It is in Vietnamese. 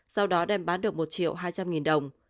sau đó đem bán được một triệu hai trăm linh nghìn đồng